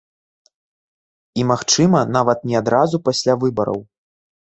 І, магчыма, нават не адразу пасля выбараў.